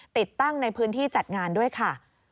ติดตั้งในพื้นที่จัดงานด้วยค่ะ